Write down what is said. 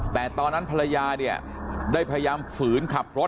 แต่ตอนนั้นภรรยาเนี่ยได้พยายามฝืนขับรถ